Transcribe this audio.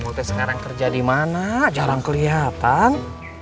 mote sekarang kerja dimana jarang keliatan